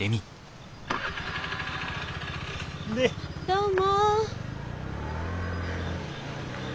どうも。